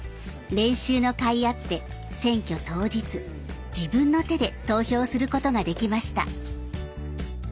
練習のかいあって選挙当日自分の手で投票することができました。